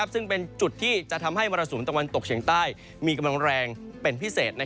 ซึ่งเป็นจุดที่จะทำให้มรสุมตะวันตกเฉียงใต้มีกำลังแรงเป็นพิเศษ